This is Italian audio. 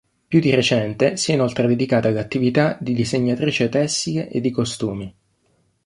Più di recente si è inoltre dedicata all'attività di disegnatrice tessile e di costumi.